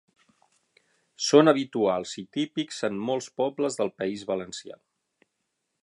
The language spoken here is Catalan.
Són habituals i típics en molts pobles del País Valencià.